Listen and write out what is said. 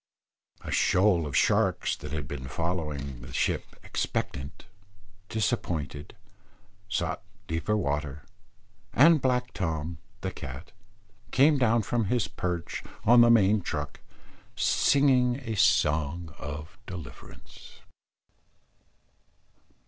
A shoal of sharks that had been following the ship expectant, disappointed, sought deeper water, and black Tom, the cat, came down from his perch on the main truck, singing a song of deliverance.